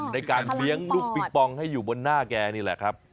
ในการเลี้ยงลูกปิงปองให้อยู่บนหน้าแกนี่แหละครับ